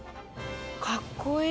かっこいい。